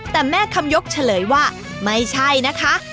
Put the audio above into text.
แต่แม่คำยกเฉลยว่าไม่ใช่นะคะ